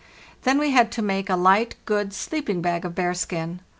Then we had to make a light, ¢ oO << rood sleeping bag of bearskin.